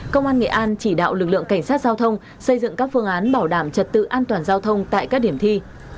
công an nghệ an chỉ đạo lực lượng cảnh sát giao thông xây dựng các phương án bảo đảm trật tự an toàn giao thông tại các điểm thi